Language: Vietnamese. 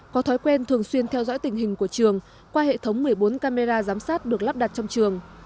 có thói quen thường xuyên theo dõi tình hình của trường qua hệ thống một mươi bốn camera giám sát được lắp đặt trong trường